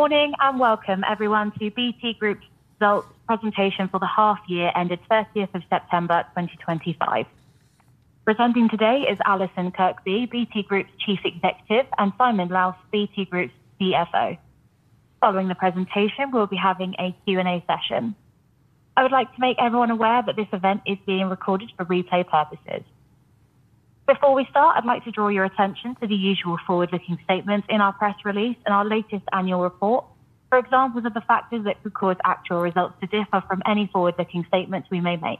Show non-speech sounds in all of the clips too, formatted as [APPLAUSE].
Good morning and welcome, everyone, to BT Group's result presentation for the half-year ended 30th of September 2025. Presenting today is Alison Kirkby, BT Group's Chief Executive, and Simon Lowth, BT Group's CFO. Following the presentation, we'll be having a Q&A session. I would like to make everyone aware that this event is being recorded for replay purposes. Before we start, I'd like to draw your attention to the usual forward-looking statements in our press release and our latest annual report, for examples of the factors that could cause actual results to differ from any forward-looking statements we may make.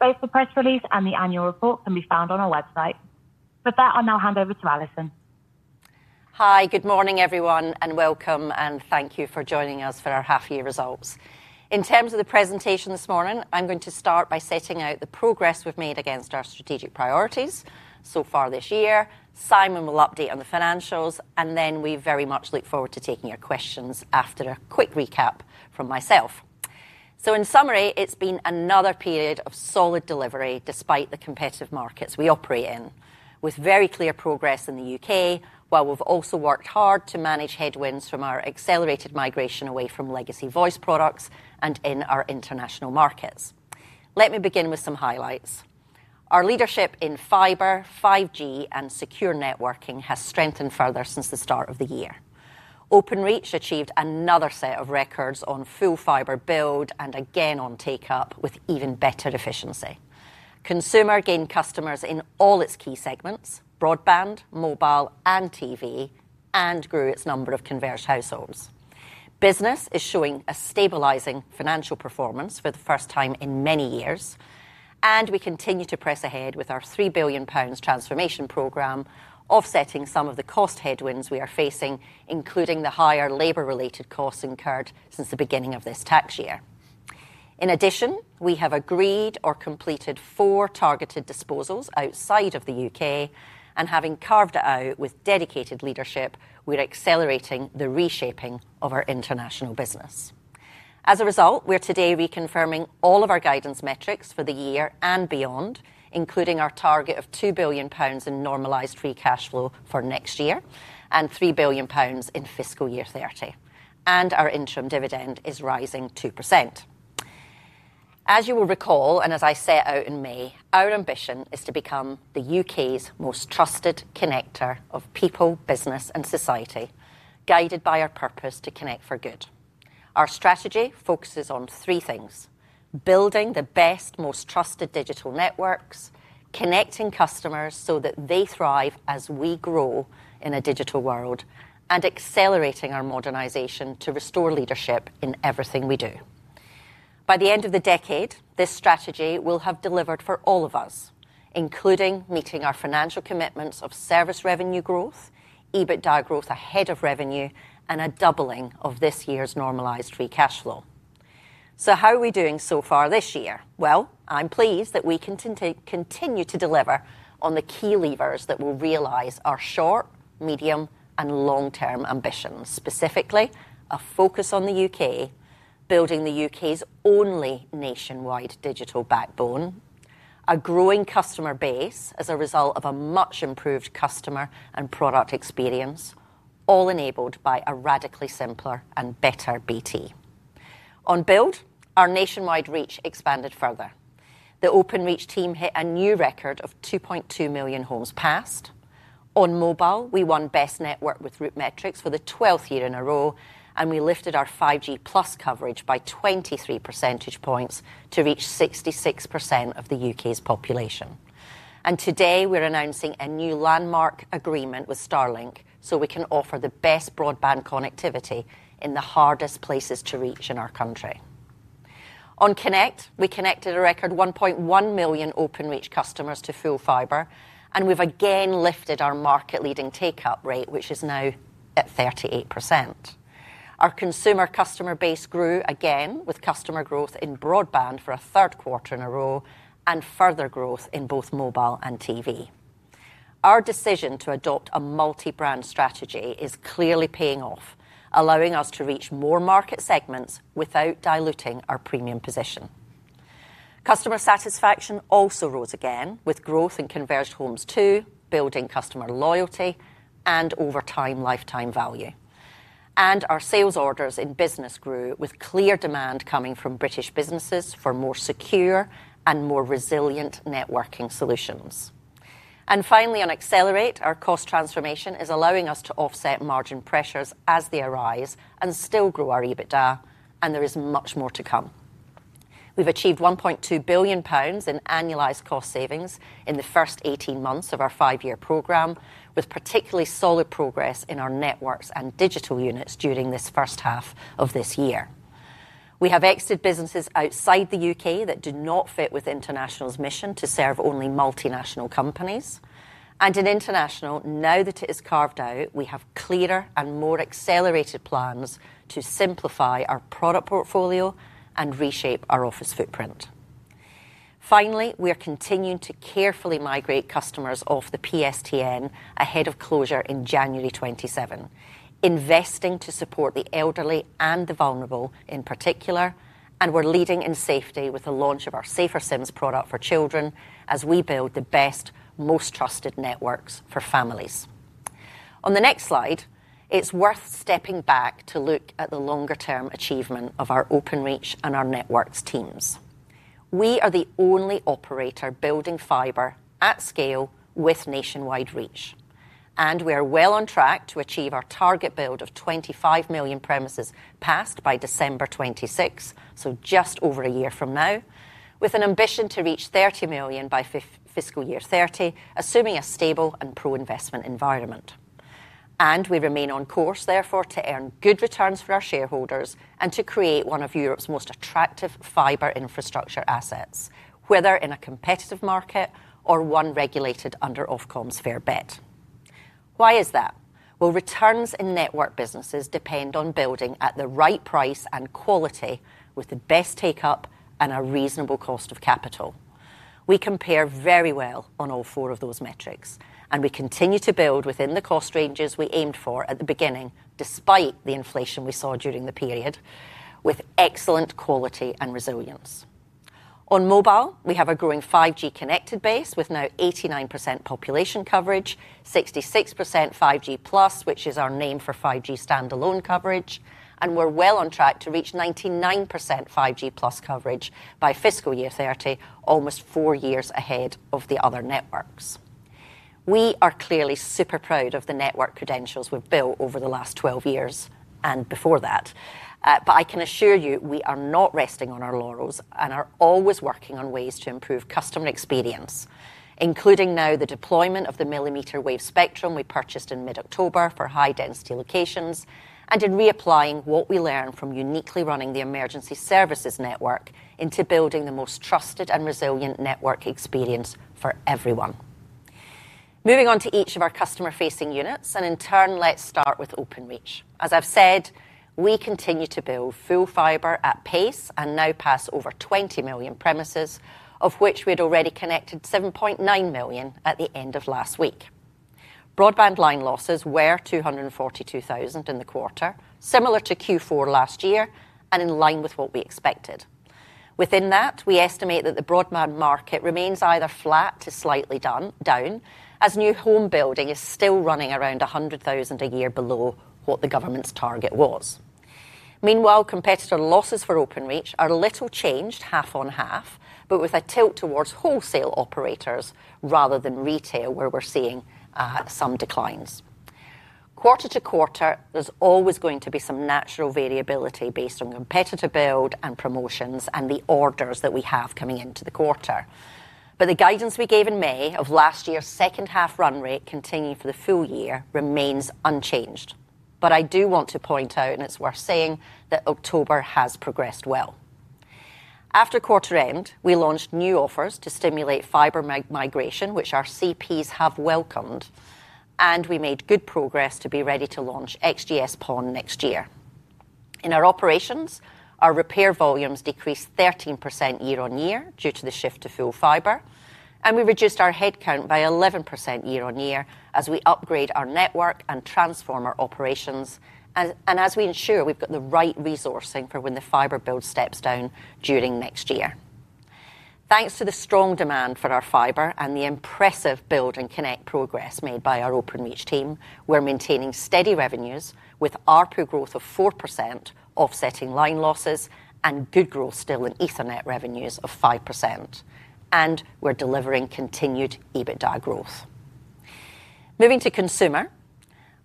Both the press release and the annual report can be found on our website. With that, I'll now hand over to Alison. Hi, good morning, everyone, and welcome, and thank you for joining us for our half-year results. In terms of the presentation this morning, I'm going to start by setting out the progress we've made against our strategic priorities so far this year. Simon will update on the financials, and then we very much look forward to taking your questions after a quick recap from myself. In summary, it's been another period of solid delivery despite the competitive markets we operate in, with very clear progress in the U.K., while we've also worked hard to manage headwinds from our accelerated migration away from legacy voice products and in our international markets. Let me begin with some highlights. Our leadership in fiber, 5G, and secure networking has strengthened further since the start of the year. Openreach achieved another set of records on full fiber build and again on take-up, with even better efficiency. Consumer gained customers in all its key segments: broadband, mobile, and TV, and grew its number of converged households. Business is showing a stabilizing financial performance for the first time in many years, and we continue to press ahead with our 3 billion pounds transformation program, offsetting some of the cost headwinds we are facing, including the higher labor-related costs incurred since the beginning of this tax year. In addition, we have agreed or completed four targeted disposals outside of the U.K., and having carved out with dedicated leadership, we are accelerating the reshaping of our international business. As a result, we are today reconfirming all of our guidance metrics for the year and beyond, including our target of 2 billion pounds in normalized free cash flow for next year and 3 billion pounds in fiscal year 2030. Our interim dividend is rising 2%. As you will recall, and as I set out in May, our ambition is to become the U.K.'s most trusted connector of people, business, and society, guided by our purpose to connect for good. Our strategy focuses on three things: building the best, most trusted digital networks, connecting customers so that they thrive as we grow in a digital world, and accelerating our modernization to restore leadership in everything we do. By the end of the decade, this strategy will have delivered for all of us, including meeting our financial commitments of service revenue growth, EBITDA growth ahead of revenue, and a doubling of this year's normalized free cash flow. How are we doing so far this year? I am pleased that we can continue to deliver on the key levers that will realize our short, medium, and long-term ambitions, specifically a focus on the U.K., building the U.K.'s only nationwide digital backbone, a growing customer base as a result of a much-improved customer and product experience, all enabled by a radically simpler and better BT. On build, our nationwide reach expanded further. The Openreach team hit a new record of 2.2 million homes passed. On mobile, we won best network with RootMetrics for the 12th year in a row, and we lifted our 5G+ coverage by 23 percentage points to reach 66% of the U.K.'s population. Today, we're announcing a new landmark agreement with Starlink so we can offer the best broadband connectivity in the hardest places to reach in our country. On Connect, we connected a record 1.1 million Openreach customers to full fiber, and we've again lifted our market-leading take-up rate, which is now at 38%. Our consumer customer base grew again, with customer growth in broadband for a third quarter in a row and further growth in both mobile and TV. Our decision to adopt a multi-brand strategy is clearly paying off, allowing us to reach more market segments without diluting our premium position. Customer satisfaction also rose again, with growth in converged homes too, building customer loyalty and over time lifetime value. Our sales orders in business grew, with clear demand coming from British businesses for more secure and more resilient networking solutions. Finally, on accelerate, our cost transformation is allowing us to offset margin pressures as they arise and still grow our EBITDA, and there is much more to come. We have achieved 1.2 billion pounds in annualized cost savings in the first 18 months of our five-year program, with particularly solid progress in our networks and digital units during this first half of this year. We have exited businesses outside the U.K. that do not fit with international's mission to serve only multinational companies. In international, now that it is carved out, we have clearer and more accelerated plans to simplify our product portfolio and reshape our office footprint. Finally, we are continuing to carefully migrate customers off the PSTN ahead of closure in January 2027, investing to support the elderly and the vulnerable in particular, and we're leading in safety with the launch of our Safer SIMs product for children as we build the best, most trusted networks for families. On the next Slide, it's worth stepping back to look at the longer-term achievement of our Openreach and our networks teams. We are the only operator building fiber at scale with nationwide reach, and we are well on track to achieve our target build of 25 million premises passed by December 2026, so just over a year from now, with an ambition to reach 30 million by fiscal year 2030, assuming a stable and pro-investment environment. We remain on course, therefore, to earn good returns for our shareholders and to create one of Europe's most attractive fiber infrastructure assets, whether in a competitive market or one regulated under Ofcom's fair bet. Why is that? Returns in network businesses depend on building at the right price and quality with the best take-up and a reasonable cost of capital. We compare very well on all four of those metrics, and we continue to build within the cost ranges we aimed for at the beginning, despite the inflation we saw during the period, with excellent quality and resilience. On mobile, we have a growing 5G connected base with now 89% population coverage, 66% 5G+, which is our name for 5G standalone coverage, and we are well on track to reach 99% 5G+ coverage by fiscal year 2030, almost four years ahead of the other networks. We are clearly super proud of the network credentials we've built over the last 12 years and before that. I can assure you we are not resting on our laurels and are always working on ways to improve customer experience, including now the deployment of the millimeter wave spectrum we purchased in mid-October for high-density locations, and in reapplying what we learned from uniquely running the emergency services network into building the most trusted and resilient network experience for everyone. Moving on to each of our customer-facing units, in turn, let's start with Openreach. As I've said, we continue to build full fiber at pace and now pass over 20 million premises, of which we had already connected 7.9 million at the end of last week. Broadband line losses were 242,000 in the quarter, similar to Q4 last year and in line with what we expected. Within that, we estimate that the broadband market remains either flat to slightly down, as new home building is still running around 100,000 a year below what the government's target was. Meanwhile, competitor losses for Openreach are little changed, half on half, but with a tilt towards wholesale operators rather than retail, where we're seeing some declines. Quarter-to-quarter, there's always going to be some natural variability based on competitor build and promotions and the orders that we have coming into the quarter. The guidance we gave in May of last year's second-half run rate continuing for the full year remains unchanged. I do want to point out, and it's worth saying, that October has progressed well. After quarter end, we launched new offers to stimulate fiber migration, which our CPs have welcomed, and we made good progress to be ready to launch XGS-PON next year. In our operations, our repair volumes decreased 13% year-on-year due to the shift to full fiber, and we reduced our headcount by 11% year-on-year as we upgrade our network and transform our operations, and as we ensure we've got the right resourcing for when the fiber build steps down during next year. Thanks to the strong demand for our fiber and the impressive build and connect progress made by our Openreach team, we're maintaining steady revenues with our per growth of 4%, offsetting line losses and good growth still in Ethernet revenues of 5%, and we're delivering continued EBITDA growth. Moving to consumer,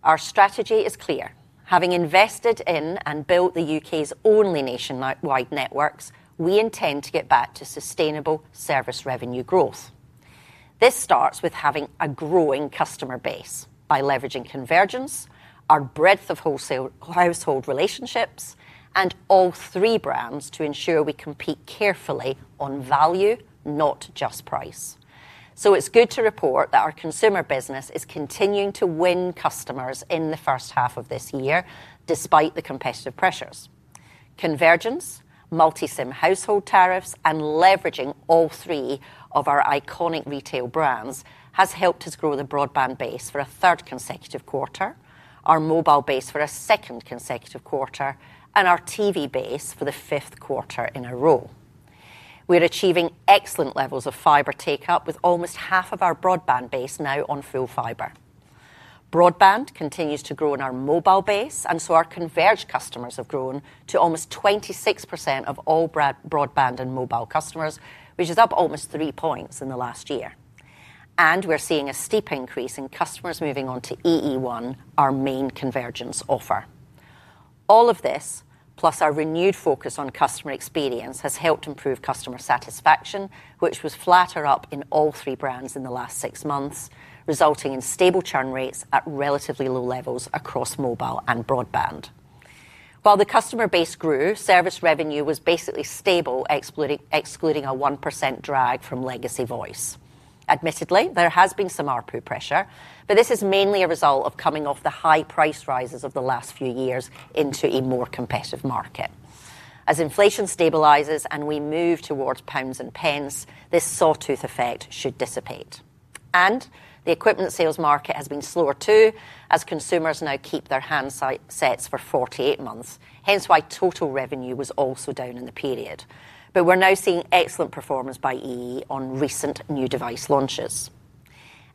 our strategy is clear. Having invested in and built the U.K.'s only nationwide networks, we intend to get back to sustainable service revenue growth. This starts with having a growing customer base by leveraging convergence, our breadth of household relationships, and all three brands to ensure we compete carefully on value, not just price. It is good to report that our consumer business is continuing to win customers in the first half of this year, despite the competitive pressures. Convergence, multi-SIM household tariffs, and leveraging all three of our iconic retail brands has helped us grow the broadband base for a third consecutive quarter, our mobile base for a second consecutive quarter, and our TV base for the fifth quarter in a row. We are achieving excellent levels of fiber take-up, with almost half of our broadband base now on full fiber. Broadband continues to grow in our mobile base, and our converged customers have grown to almost 26% of all broadband and mobile customers, which is up almost three percentage points in the last year. We are seeing a steep increase in customers moving on to EE1, our main convergence offer. All of this, plus our renewed focus on customer experience, has helped improve customer satisfaction, which was flat or up in all three brands in the last six months, resulting in stable churn rates at relatively low levels across mobile and broadband. While the customer base grew, service revenue was basically stable, excluding a 1% drag from legacy voice. Admittedly, there has been some ARPU pressure, but this is mainly a result of coming off the high price rises of the last few years into a more competitive market. As inflation stabilizes and we move towards pounds and pence, this sawtooth effect should dissipate. The equipment sales market has been slower too, as consumers now keep their handsets for 48 months, hence why total revenue was also down in the period. We are now seeing excellent performance by EE on recent new device launches.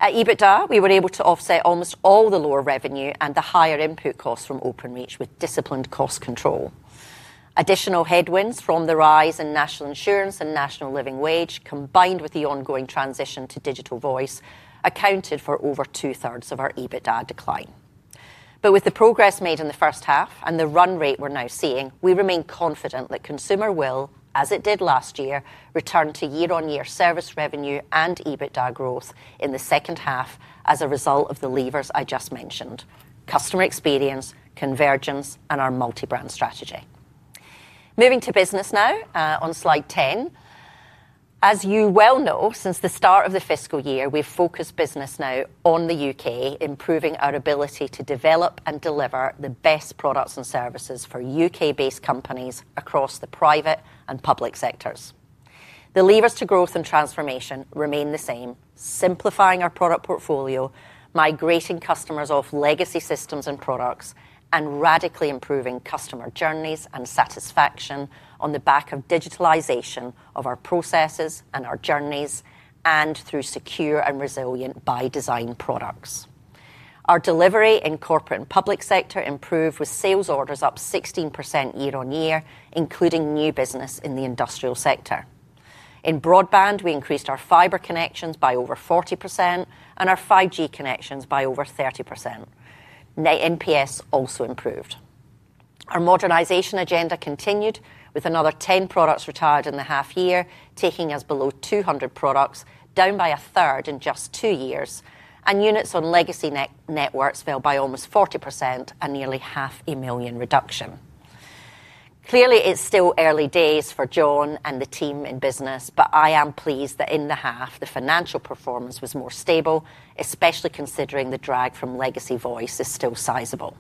At EBITDA, we were able to offset almost all the lower revenue and the higher input costs from Openreach with disciplined cost control. Additional headwinds from the rise in national insurance and national living wage, combined with the ongoing transition to digital voice, accounted for over two-thirds of our EBITDA decline. With the progress made in the first half and the run rate we're now seeing, we remain confident that consumer will, as it did last year, return to year-on-year service revenue and EBITDA growth in the second half as a result of the levers I just mentioned: customer experience, convergence, and our multi-brand strategy. Moving to business now on Slide 10. As you well know, since the start of the fiscal year, we've focused business now on the U.K., improving our ability to develop and deliver the best products and services for U.K.-based companies across the private and public sectors. The levers to growth and transformation remain the same, simplifying our product portfolio, migrating customers off legacy systems and products, and radically improving customer journeys and satisfaction on the back of digitalization of our processes and our journeys and through secure and resilient by design products. Our delivery in corporate and public sector improved with sales orders up 16% year-on-year, including new business in the industrial sector. In broadband, we increased our fiber connections by over 40% and our 5G connections by over 30%. NPS also improved. Our modernization agenda continued with another 10 products retired in the half year, taking us below 200 products, down by a third in just two years, and units on legacy networks fell by almost 40%, a nearly 500,000 reduction. Clearly, it's still early days for John and the team in business, but I am pleased that in the half, the financial performance was more stable, especially considering the drag from legacy voice is still sizable.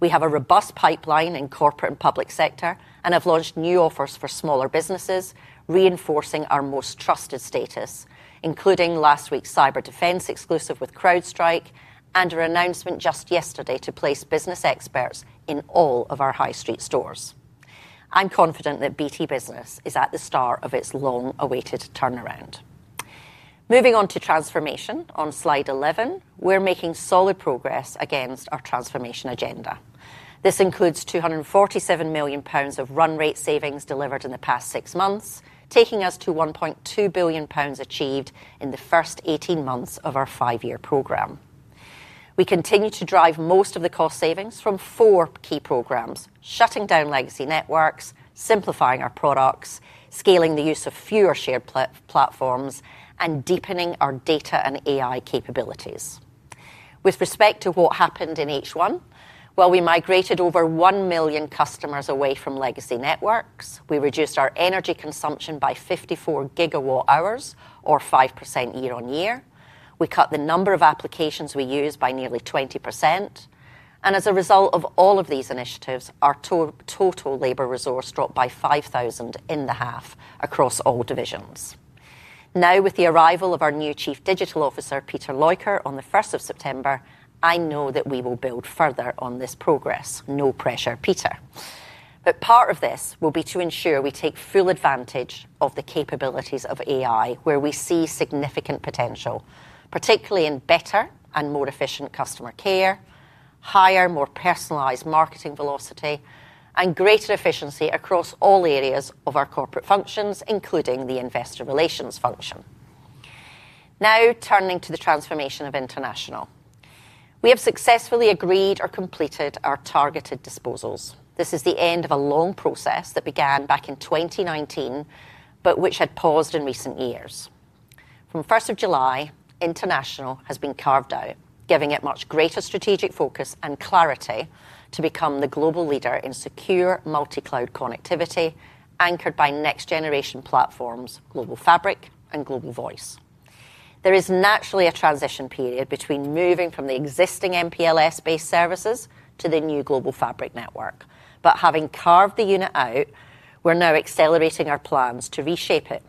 We have a robust pipeline in corporate and public sector and have launched new offers for smaller businesses, reinforcing our most trusted status, including last week's cyber defense exclusive with CrowdStrike and our announcement just yesterday to place business experts in all of our high street stores. I'm confident that BT Business is at the start of its long-awaited turnaround. Moving on to transformation on Slide 11, we're making solid progress against our transformation agenda. This includes 247 million pounds of run rate savings delivered in the past six months, taking us to 1.2 billion pounds achieved in the first 18 months of our five-year program. We continue to drive most of the cost savings from four key programs, shutting down legacy networks, simplifying our products, scaling the use of fewer shared platforms, and deepening our data and AI capabilities. With respect to what happened in H1, while we migrated over 1 million customers away from legacy networks, we reduced our energy consumption by 54 gigawatt hours, or 5% year-on-year. We cut the number of applications we use by nearly 20%. As a result of all of these initiatives, our total labor resource dropped by 5,000 in the half across all divisions. Now, with the arrival of our new Chief Digital Officer, Peter Leukert, on the 1st of September, I know that we will build further on this progress. No pressure, Peter. Part of this will be to ensure we take full advantage of the capabilities of AI, where we see significant potential, particularly in better and more efficient customer care, higher, more personalized marketing velocity, and greater efficiency across all areas of our corporate functions, including the investor relations function. Now, turning to the transformation of international. We have successfully agreed or completed our targeted disposals. This is the end of a long process that began back in 2019, but which had paused in recent years. From 1 July, international has been carved out, giving it much greater strategic focus and clarity to become the global leader in secure multi-cloud connectivity anchored by next-generation platforms, Global Fabric, and Global Voice. There is naturally a transition period between moving from the existing MPLS-based services to the new Global Fabric network. Having carved the unit out, we're now accelerating our plans to reshape it,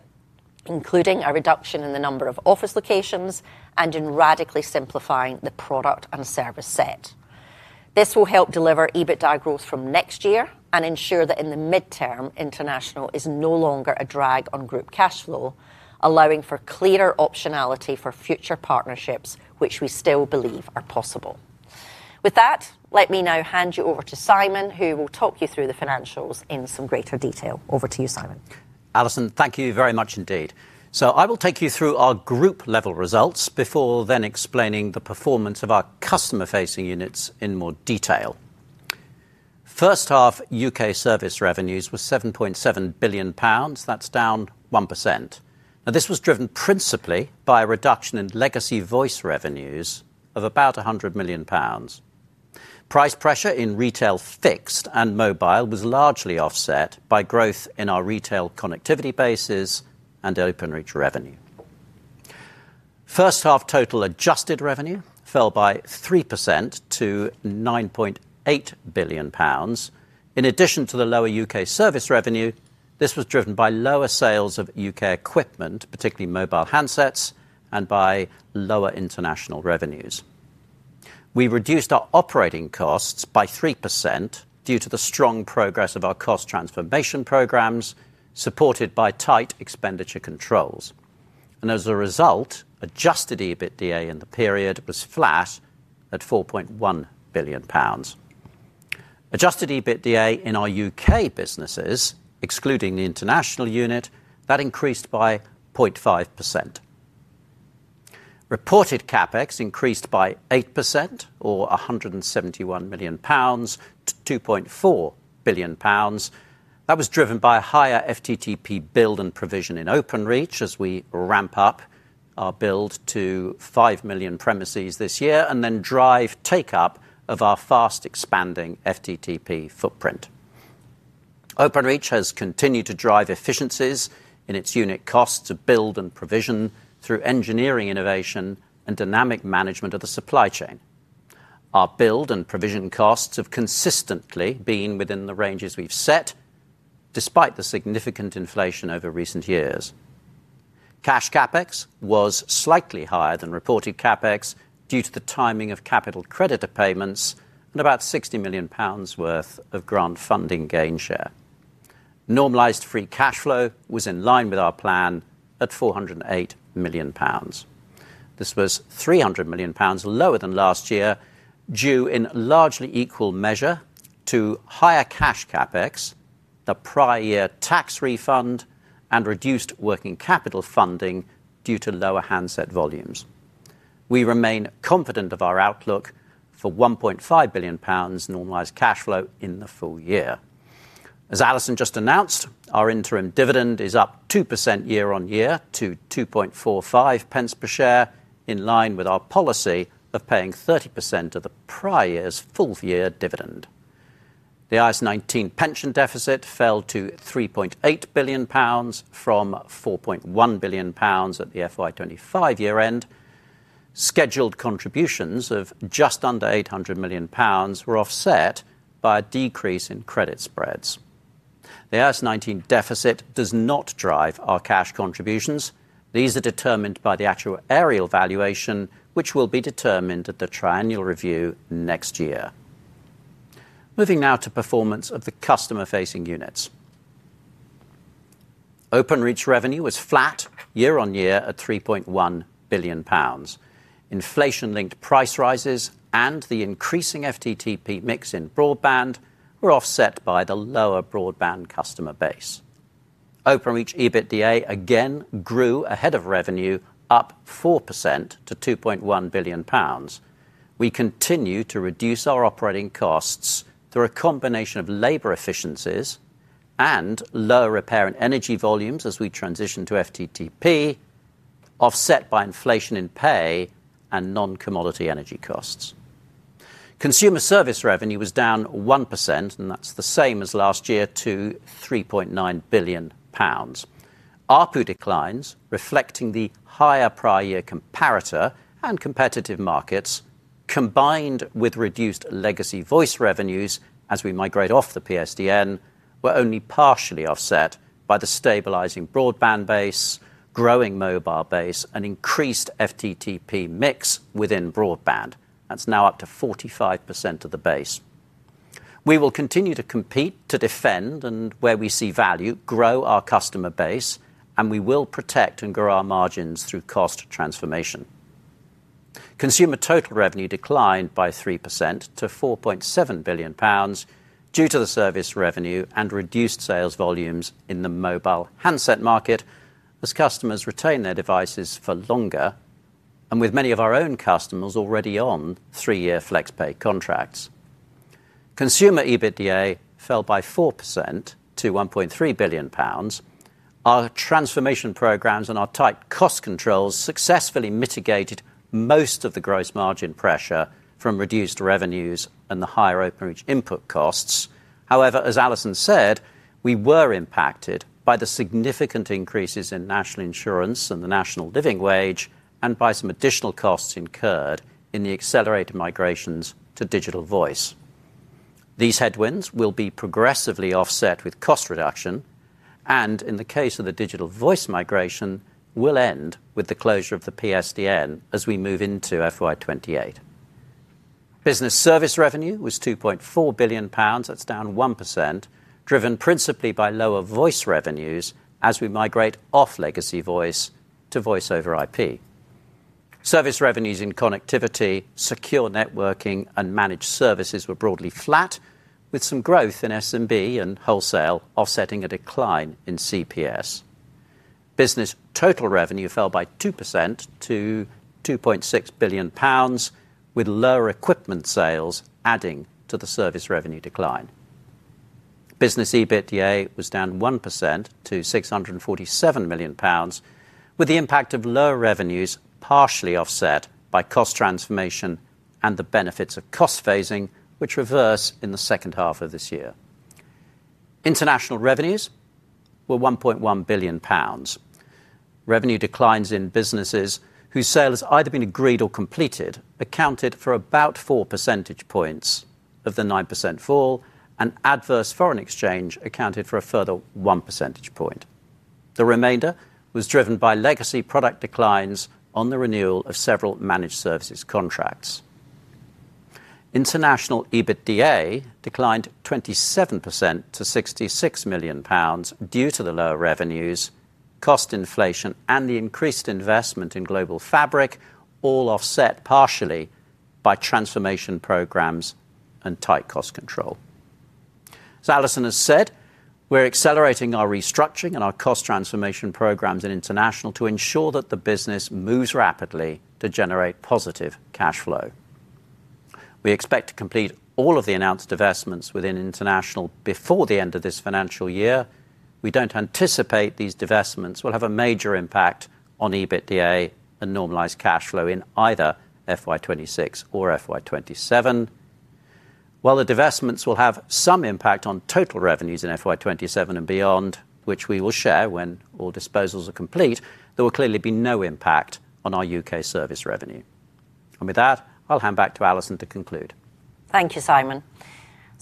including a reduction in the number of office locations and in radically simplifying the product and service set. This will help deliver EBITDA growth from next year and ensure that in the midterm, International is no longer a drag on group cash flow, allowing for clearer optionality for future partnerships, which we still believe are possible. With that, let me now hand you over to Simon, who will talk you through the financials in some greater detail. Over to you, Simon. Alison, thank you very much indeed. I will take you through our group-level results before then explaining the performance of our customer-facing units in more detail. First half U.K. service revenues were 7.7 billion pounds, that is down 1%. This was driven principally by a reduction in legacy voice revenues of about 100 million pounds. Price pressure in retail fixed and mobile was largely offset by growth in our retail connectivity bases and Openreach revenue. First half total adjusted revenue fell by 3% to 9.8 billion pounds. In addition to the lower U.K. service revenue, this was driven by lower sales of U.K. equipment, particularly mobile handsets, and by lower international revenues. We reduced our operating costs by 3% due to the strong progress of our cost transformation programs, supported by tight expenditure controls. As a result, adjusted EBITDA in the period was flat at 4.1 billion pounds. Adjusted EBITDA in our U.K. businesses, excluding the international unit, increased by 0.5%. Reported CapEx increased by 8%, or 171 million pounds, to 2.4 billion pounds. That was driven by a higher FTTP build and provision in Openreach as we ramp up our build to 5 million premises this year and then drive take-up of our fast-expanding FTTP footprint. Openreach has continued to drive efficiencies in its unit costs of build and provision through engineering innovation and dynamic management of the supply chain. Our build and provision costs have consistently been within the ranges we've set, despite the significant inflation over recent years. Cash CapEx was slightly higher than reported CapEx due to the timing of capital creditor payments and about 60 million pounds worth of grant funding gain share. Normalized free cash flow was in line with our plan at 408 million pounds. This was 300 million pounds lower than last year, due in largely equal measure to higher cash CapEx, the prior year tax refund, and reduced working capital funding due to lower handset volumes. We remain confident of our outlook for 1.5 billion pounds normalized cash flow in the full year. As Alison just announced, our interim dividend is up 2% year-on-year to 2.45 per share, in line with our policy of paying 30% of the prior year's full-year dividend. The IAS 19 pension deficit fell to 3.8 billion pounds from 4.1 billion pounds at the FY 2025 year-end. Scheduled contributions of just under 800 million pounds were offset by a decrease in credit spreads. The IAS 19 deficit does not drive our cash contributions. These are determined by the actual aerial valuation, which will be determined at the triennial review next year. Moving now to performance of the customer-facing units. Openreach revenue was flat year-on-year at 3.1 billion pounds. Inflation-linked price rises and the increasing FTTP mix in broadband were offset by the lower broadband customer base. Openreach EBITDA again grew ahead of revenue, up 4% to 2.1 billion pounds. We continue to reduce our operating costs through a combination of labor efficiencies and lower repair and energy volumes as we transition to FTTP, offset by inflation in pay and non-commodity energy costs. Consumer service revenue was down 1%, and that's the same as last year, to 3.9 billion pounds. ARPU declines, reflecting the higher prior year comparator and competitive markets, combined with reduced legacy voice revenues as we migrate off the PSTN, were only partially offset by the stabilizing broadband base, growing mobile base, and increased FTTP mix within broadband. That's now up to 45% of the base. We will continue to compete to defend, and where we see value, grow our customer base, and we will protect and grow our margins through cost transformation. Consumer total revenue declined by 3% to 4.7 billion pounds due to the service revenue and reduced sales volumes in the mobile handset market as customers retain their devices for longer and with many of our own customers already on three-year flex pay contracts. Consumer EBITDA fell by 4% to 1.3 billion pounds. Our transformation programs and our tight cost controls successfully mitigated most of the gross margin pressure from reduced revenues and the higher Openreach input costs. However, as Alison said, we were impacted by the significant increases in national insurance and the national living wage and by some additional costs incurred in the accelerated migrations to digital voice. These headwinds will be progressively offset with cost reduction, and in the case of the digital voice migration, will end with the closure of the PSTN as we move into FY 2028. Business service revenue was 2.4 billion pounds. That's down 1%, driven principally by lower voice revenues as we migrate off legacy voice to voice over IP. Service revenues in connectivity, secure networking, and managed services were broadly flat, with some growth in SMB and wholesale offsetting a decline in CPS. Business total revenue fell by 2% to 2.6 billion pounds, with lower equipment sales adding to the service revenue decline. Business EBITDA was down 1% to 647 million pounds, with the impact of lower revenues partially offset by cost transformation and the benefits of cost phasing, which reverse in the second half of this year. International revenues were 1.1 billion pounds. Revenue declines in businesses whose sale has either been agreed or completed accounted for about 4 percentage points of the 9% fall, and adverse foreign exchange accounted for a further 1 percentage point. The remainder was driven by legacy product declines on the renewal of several managed services contracts. International EBITDA declined 27% to 66 million pounds due to the lower revenues, cost inflation, and the increased investment in Global Fabric, all offset partially by transformation programs and tight cost control. As Alison has said, we're accelerating our restructuring and our cost transformation programs in international to ensure that the business moves rapidly to generate positive cash flow. We expect to complete all of the announced divestments within international before the end of this financial year. We do not anticipate these divestments will have a major impact on EBITDA and normalized cash flow in either FY 2026 or FY 2027. While the divestments will have some impact on total revenues in FY 2027 and beyond, which we will share when all disposals are complete, there will clearly be no impact on our U.K. service revenue. With that, I'll hand back to Alison to conclude. Thank you, Simon.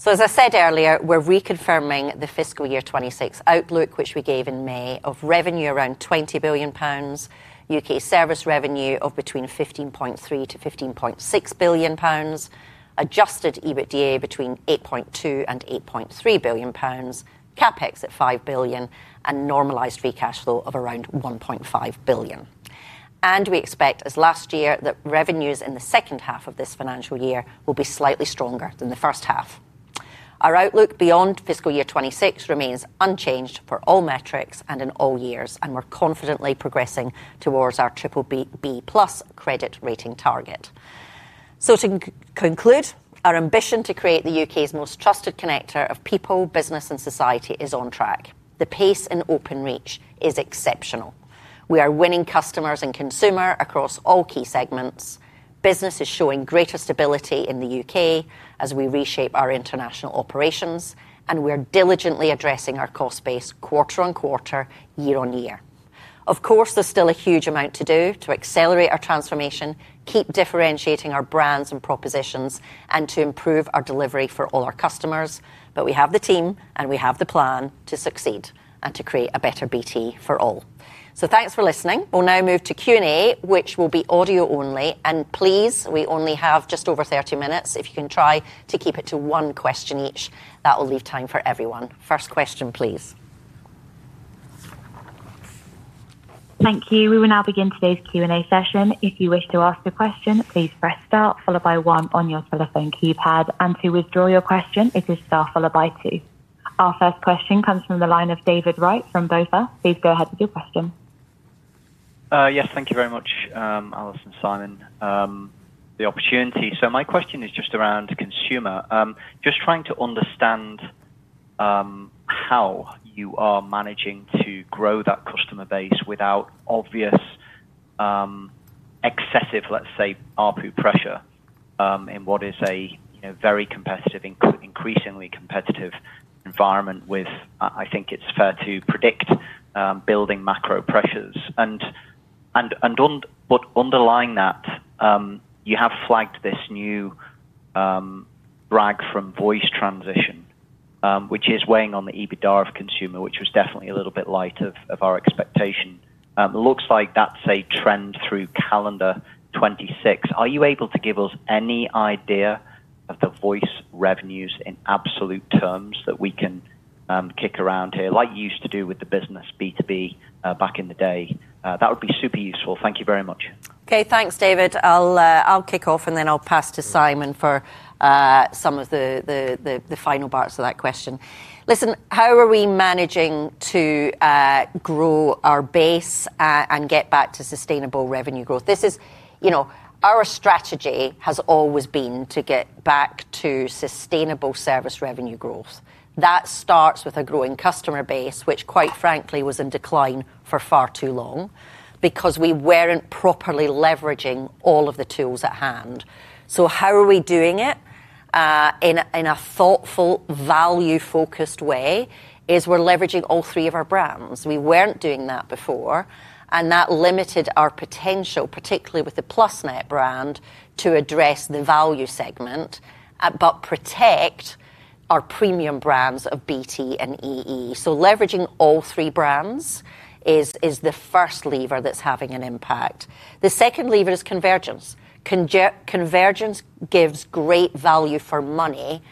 As I said earlier, we're reconfirming the fiscal year 2026 outlook, which we gave in May, of revenue around 20 billion pounds, U.K. service revenue of between 15.3 billion-15.6 billion pounds, adjusted EBITDA between 8.2 billion-8.3 billion pounds, CapEx at 5 billion, and normalized free cash flow of around 1.5 billion. We expect, as last year, that revenues in the second half of this financial year will be slightly stronger than the first half. Our outlook beyond fiscal year 2026 remains unchanged for all metrics and in all years, and we're confidently progressing towards our BBB+ credit rating target. To conclude, our ambition to create the U.K.'s most trusted connector of people, business, and society is on track. The pace in Openreach is exceptional. We are winning customers and consumers across all key segments. Business is showing greater stability in the U.K. as we reshape our international operations, and we are diligently addressing our cost base quarter-on-quarter, year-on-year. Of course, there is still a huge amount to do to accelerate our transformation, keep differentiating our brands and propositions, and to improve our delivery for all our customers, but we have the team and we have the plan to succeed and to create a better BT for all. Thanks for listening. We will now move to Q&A, which will be audio only. Please, we only have just over 30 minutes. If you can try to keep it to one question each, that will leave time for everyone. First question, please. Thank you. We will now begin today's Q&A session. If you wish to ask a question, please press star, followed by one on your telephone keypad, and to withdraw your question, it is star followed by two. Our first question comes from the line of David Wright from Bank of America. Please go ahead with your question. Yes, thank you very much, Alison and Simon. The opportunity. My question is just around consumer. Just trying to understand how you are managing to grow that customer base without obvious, excessive, let's say, ARPU pressure in what is a very competitive, increasingly competitive environment with, I think it's fair to predict, building macro pressures. Underlying that, you have flagged this new drag from voice transition, which is weighing on the EBITDA of consumer, which was definitely a little bit light of our expectation. It looks like that's a trend through calendar 2026. Are you able to give us any idea of the voice revenues in absolute terms that we can kick around here, like you used to do with the business B2B back in the day? That would be super useful. Thank you very much. Okay, thanks, David. I'll kick off, and then I'll pass to Simon for some of the final parts of that question. Listen, how are we managing to grow our base and get back to sustainable revenue growth? Our strategy has always been to get back to sustainable service revenue growth. That starts with a growing customer base, which, quite frankly, was in decline for far too long because we were not properly leveraging all of the tools at hand. How are we doing it in a thoughtful, value-focused way? We are leveraging all three of our brands. We were not doing that before, and that limited our potential, particularly with the PlusNet brand, to address the value segment. But protect our premium brands of BT and EE. Leveraging all three brands is the first lever that is having an impact. The second lever is convergence. Convergence gives great value for money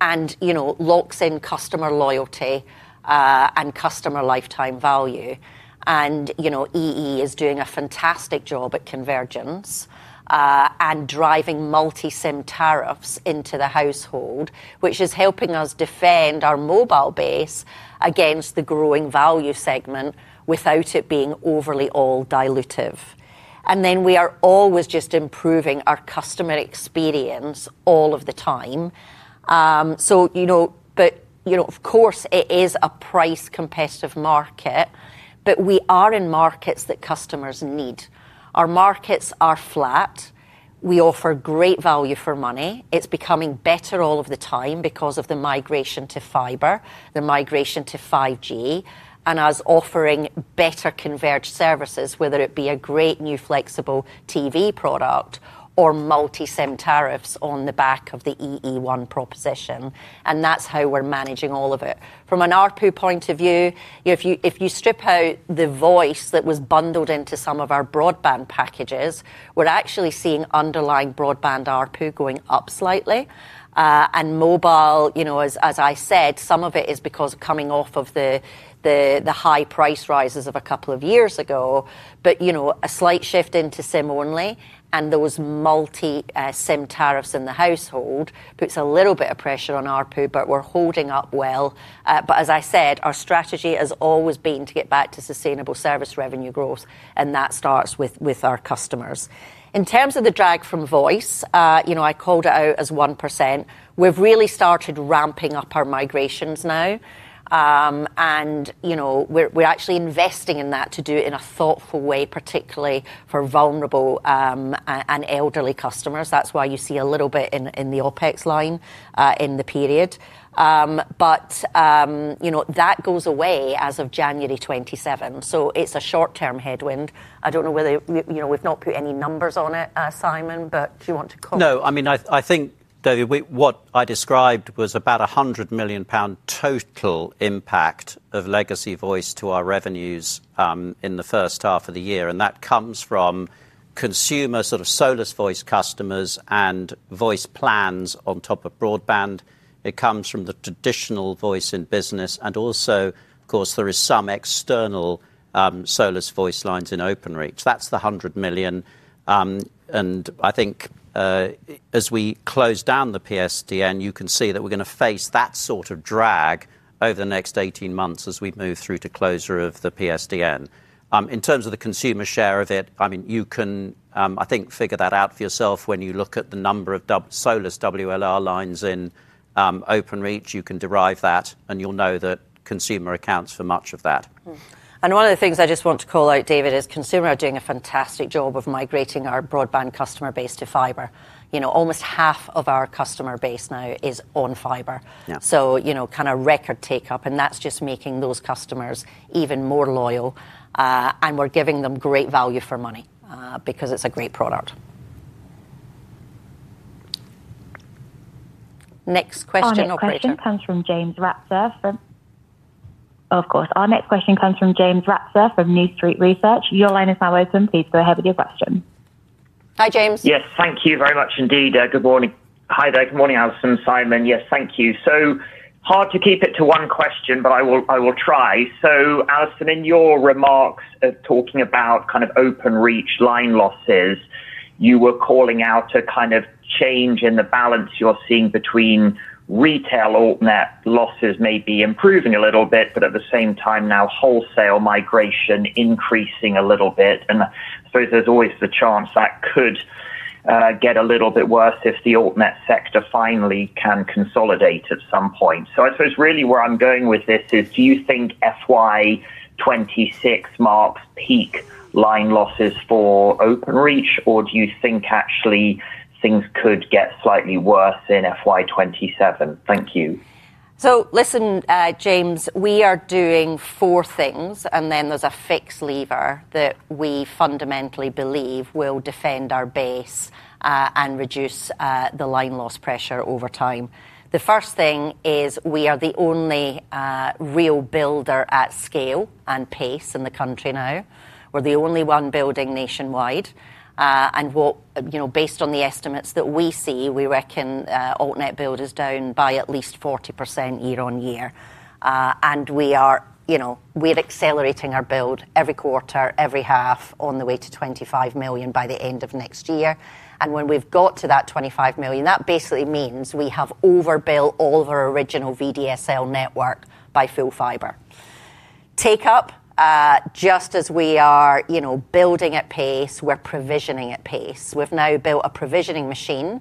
and locks in customer loyalty and customer lifetime value. EE is doing a fantastic job at convergence. Driving multi-SIM tariffs into the household, which is helping us defend our mobile base against the growing value segment without it being overly all dilutive. We are always just improving our customer experience all of the time. Of course, it is a price-competitive market, but we are in markets that customers need. Our markets are flat. We offer great value for money. It's becoming better all of the time because of the migration to fiber, the migration to 5G, and as offering better converged services, whether it be a great new flexible TV product or multi-SIM tariffs on the back of the EE1 proposition. That is how we're managing all of it. From an ARPU point of view, if you strip out the voice that was bundled into some of our broadband packages, we're actually seeing underlying broadband ARPU going up slightly. Mobile, as I said, some of it is because coming off of the high price rises of a couple of years ago, but a slight shift into SIM only and those multi-SIM tariffs in the household puts a little bit of pressure on ARPU, but we're holding up well. As I said, our strategy has always been to get back to sustainable service revenue growth, and that starts with our customers. In terms of the drag from voice, I called it out as 1%. We have really started ramping up our migrations now. We are actually investing in that to do it in a thoughtful way, particularly for vulnerable and elderly customers. That is why you see a little bit in the OpEx line in the period. That goes away as of January 2027. It is a short-term headwind. I do not know whether we have not put any numbers on it, Simon, but do you want to comment? No, I mean, I think, David, what I described was about 100 million pound total impact of legacy voice to our revenues in the first half of the year. That comes from. Consumer sort of Solace Voice customers and voice plans on top of broadband. It comes from the traditional voice in business. Also, of course, there are some external Solace Voice lines in Openreach. That is the 100 million. I think as we close down the PSTN, you can see that we are going to face that sort of drag over the next 18 months as we move through to closure of the PSTN. In terms of the consumer share of it, I mean, you can, I think, figure that out for yourself when you look at the number of Solace WLR lines in Openreach. You can derive that, and you will know that consumer accounts for much of that. One of the things I just want to call out, David, is consumers are doing a fantastic job of migrating our broadband customer base to fiber. Almost half of our customer base now is on fiber, so kind of record take-up. That is just making those customers even more loyal. We are giving them great value for money because it is a great product. Next question, Operator. Our next question comes from James Ratzer. Of course. Our next question comes from James Ratzer from New Street Research. Your line is now open. Please go ahead with your question. Hi, James. Yes, thank you very much indeed. Good morning. Hi there. Good morning, Alison and Simon. Yes, thank you. Hard to keep it to one question, but I will try. Alison, in your remarks of talking about kind of Openreach line losses, you were calling out a kind of change in the balance you are seeing between Retail AltNET losses may be improving a little bit, but at the same time, now wholesale migration increasing a little bit. I suppose there's always the chance that could get a little bit worse if the AltNET sector finally can consolidate at some point. I suppose really where I'm going with this is, do you think FY 2026 marks peak line losses for Openreach, or do you think actually things could get slightly worse in FY 2027? Thank you. Listen, James, we are doing four things, and then there's a fixed lever that we fundamentally believe will defend our base and reduce the line loss pressure over time. The first thing is we are the only real builder at scale and pace in the country now. We're the only one building nationwide. Based on the estimates that we see, we reckon AltNET build is down by at least 40% year-on-year. We are accelerating our build every quarter, every half, on the way to 25 million by the end of next year. When we have got to that 25 million, that basically means we have overbuilt all of our original VDSL network by full fiber. Take-up. Just as we are building at pace, we are provisioning at pace. We have now built a provisioning machine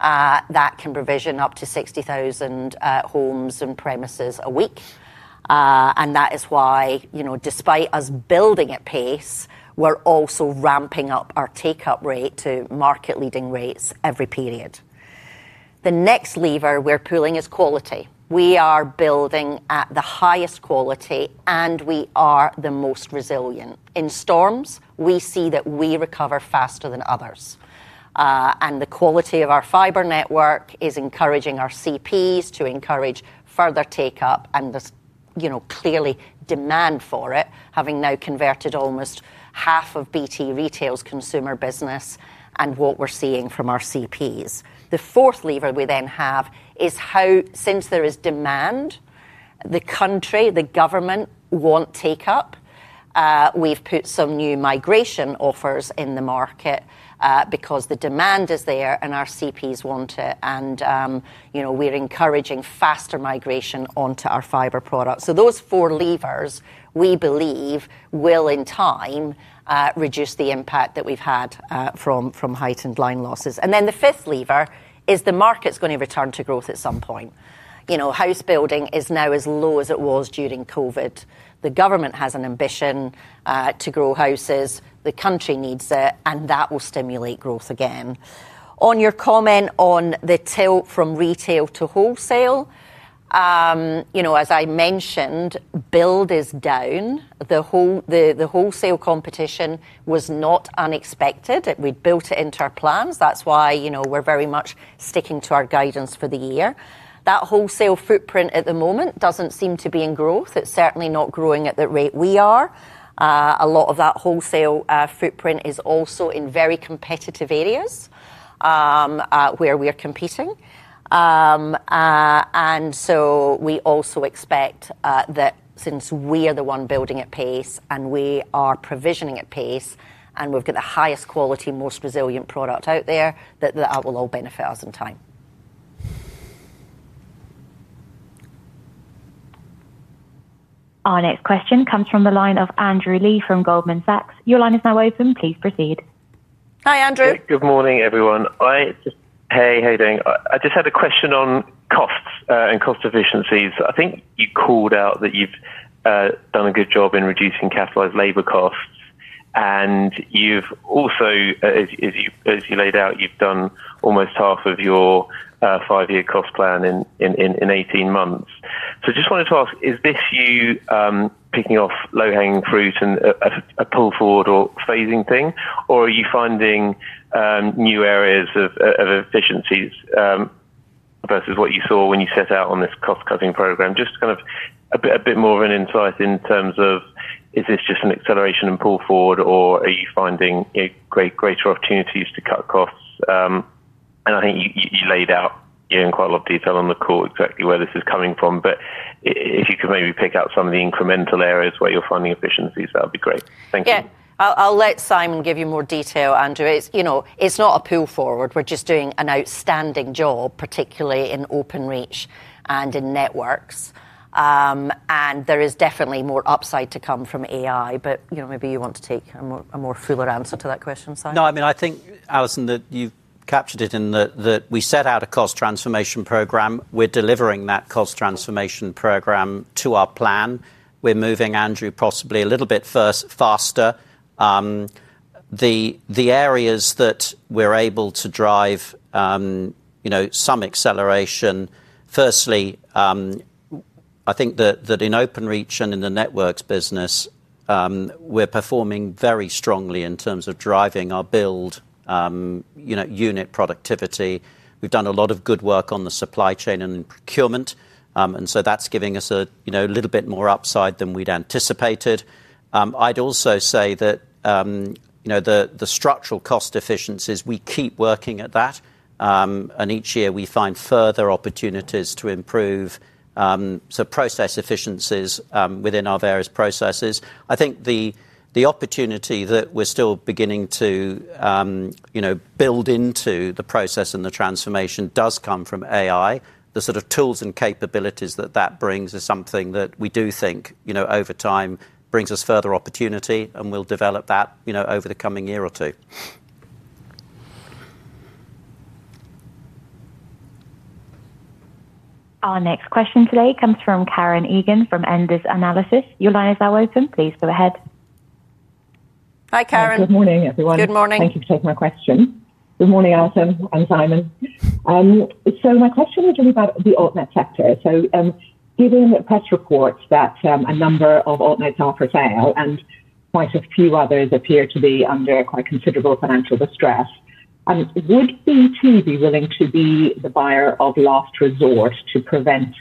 that can provision up to 60,000 homes and premises a week. That is why, despite us building at pace, we are also ramping up our take-up rate to market-leading rates every period. The next lever we are pulling is quality. We are building at the highest quality, and we are the most resilient. In storms, we see that we recover faster than others. The quality of our fiber network is encouraging our CPs to encourage further take-up and there is clearly demand for it, having now converted almost half of BT retail's consumer business and what we're seeing from our CPs. The fourth lever we then have is how, since there is demand. The country, the government want take-up. We've put some new migration offers in the market because the demand is there and our CPs want it. We're encouraging faster migration onto our fiber products. Those four levers, we believe, will in time reduce the impact that we've had from heightened line losses. The fifth lever is the market's going to return to growth at some point. House building is now as low as it was during COVID. The government has an ambition to grow houses. The country needs it, and that will stimulate growth again. On your comment on the tilt from retail to wholesale. As I mentioned, build is down. The wholesale competition was not unexpected. We built it into our plans. That is why we are very much sticking to our guidance for the year. That wholesale footprint at the moment does not seem to be in growth. It is certainly not growing at the rate we are. A lot of that wholesale footprint is also in very competitive areas where we are competing. We also expect that since we are the one building at pace and we are provisioning at pace and we have got the highest quality, most resilient product out there, that that will all benefit us in time. Our next question comes from the line of Andrew Lee from Goldman Sachs. Your line is now open. Please proceed. Hi, Andrew. Good morning, everyone. Hey, how are you doing? I just had a question on costs and cost efficiencies. I think you called out that you've done a good job in reducing capitalized labor costs. You've also, as you laid out, you've done almost half of your five-year cost plan in 18 months. I just wanted to ask, is this you picking off low-hanging fruit and a pull-forward or phasing thing, or are you finding new areas of efficiencies versus what you saw when you set out on this cost-cutting program? Just kind of a bit more of an insight in terms of, is this just an acceleration and pull-forward, or are you finding greater opportunities to cut costs? I think you laid out in quite a lot of detail on the call exactly where this is coming from. If you could maybe pick out some of the incremental areas where you're finding efficiencies, that would be great. Thank you. Yeah. I'll let Simon give you more detail, Andrew. It's not a pull-forward. We're just doing an outstanding job, particularly in Openreach and in networks. There is definitely more upside to come from AI, but maybe you want to take a more fuller answer to that question, Simon? No, I mean, I think, Alison, that you've captured it in that we set out a cost transformation program. We're delivering that cost transformation program to our plan. We're moving, Andrew, possibly a little bit faster. The areas that we're able to drive. Some acceleration, firstly. I think that in Openreach and in the networks business. We're performing very strongly in terms of driving our build. Unit productivity. We've done a lot of good work on the supply chain and in procurement. That's giving us a little bit more upside than we'd anticipated. I'd also say that the structural cost efficiencies, we keep working at that. Each year, we find further opportunities to improve some process efficiencies within our various processes. I think the opportunity that we're still beginning to build into the process and the transformation does come from AI. The sort of tools and capabilities that that brings is something that we do think, over time, brings us further opportunity, and we'll develop that over the coming year or two. Our next question today comes from Karen Egan from Enders Analysis. Your line is now open. Please go ahead. Hi, Karen. Good morning Thank you for taking my question. Good morning, Alison and Simon. My question is really about the AltNET sector. Given the press reports that a number of AltNETs are for sale and quite a few others appear to be under quite considerable financial distress, would BT be willing to be the buyer of last resort to prevent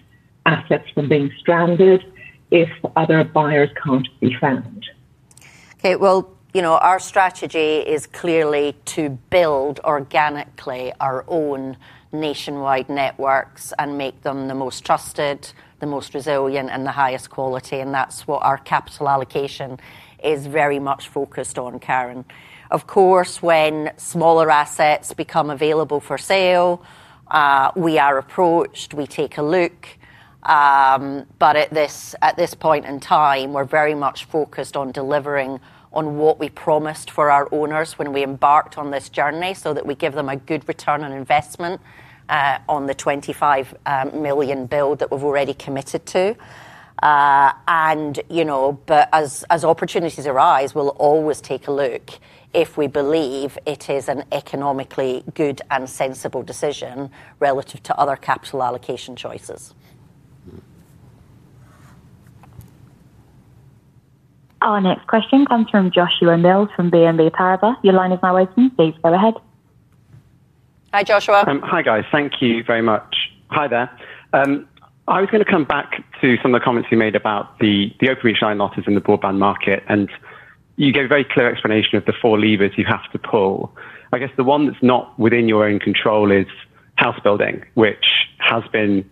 assets from being stranded if other buyers can't be found? Our strategy is clearly to build organically our own nationwide networks and make them the most trusted, the most resilient, and the highest quality. That is what our capital allocation is very much focused on, Karen. Of course, when smaller assets become available for sale, we are approached, we take a look. At this point in time, we are very much focused on delivering on what we promised for our owners when we embarked on this journey so that we give them a good return on investment on the 25 million build that we've already committed to. As opportunities arise, we'll always take a look if we believe it is an economically good and sensible decision relative to other capital allocation choices. Our next question comes from Joshua Mills from BNP Paribas. Your line is now open. Please go ahead. Hi, Joshua. Hi, guys. Thank you very much. Hi there. I was going to come back to some of the comments you made about the Openreach line losses in the broadband market. You gave a very clear explanation of the four levers you have to pull. I guess the one that's not within your own control is house building, which has been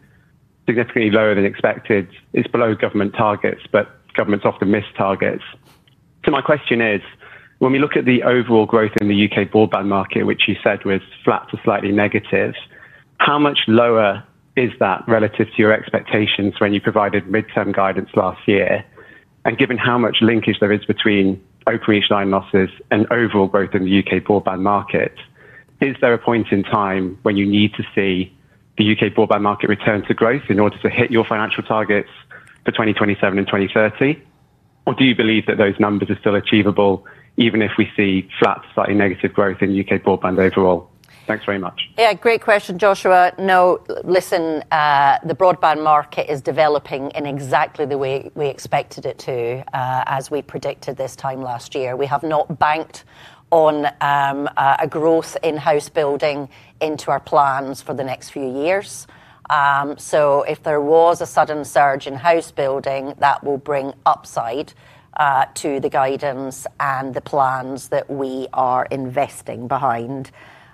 significantly lower than expected. It's below government targets, but governments often miss targets. My question is, when we look at the overall growth in the U.K. broadband market, which you said was flat to slightly negative, how much lower is that relative to your expectations when you provided midterm guidance last year? Given how much linkage there is between Openreach line losses and overall growth in the U.K. broadband market, is there a point in time when you need to see the U.K. broadband market return to growth in order to hit your financial targets for 2027 and 2030? Or do you believe that those numbers are still achievable even if we see flat to slightly negative growth in U.K. broadband overall? Thanks very much. Yeah, great question, Joshua. No, listen, the broadband market is developing in exactly the way we expected it to as we predicted this time last year. We have not banked on. A growth in house building into our plans for the next few years. If there was a sudden surge in house building, that will bring upside to the guidance and the plans that we are investing behind.